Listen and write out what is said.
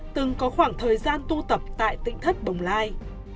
từng có khoảng thời gian tu tập tại tỉnh thất bồng lai